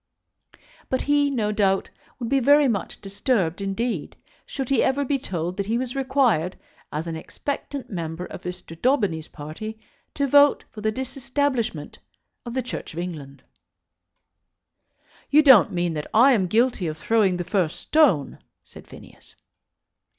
But he, no doubt, would be very much disturbed indeed should he ever be told that he was required, as an expectant member of Mr. Daubeny's party, to vote for the Disestablishment of the Church of England. "You don't mean that I am guilty of throwing the first stone?" said Phineas.